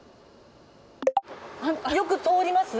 よく通ります？